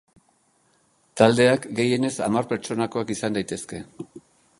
Taldeak gehienez hamar pertsonakoak izan daitezke.